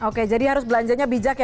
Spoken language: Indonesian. oke jadi harus belanjanya bijak ya